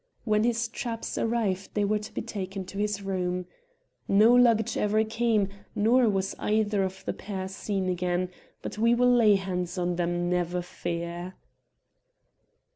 When his traps arrived they were to be taken to his room. No luggage ever came, nor was either of the pair seen again; but we will lay hands on them, never fear."